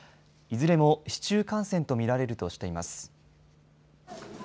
いずれも市中感染と見られるとしています。